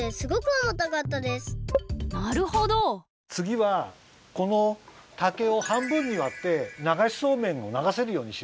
つぎはこの竹を半分にわってながしそうめんをながせるようにしよう。